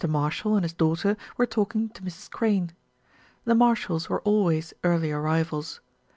Marshall and his daughter were talking to Mrs. Crane. The Marshalls were always early arrivals.